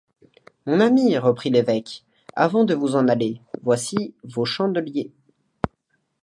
Mon ami, reprit l'évêque, avant de vous en aller, voici vos chandeliers.